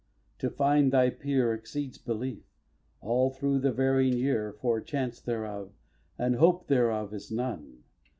To find thy peer Exceeds belief, all through the varying year, For chance thereof, and hope thereof, is none.